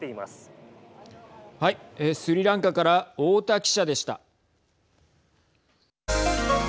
スリランカから太田記者でした。